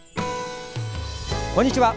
こんにちは。